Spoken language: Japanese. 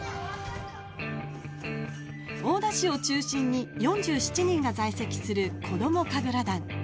大田市を中心に４７人が在籍する子ども神楽団。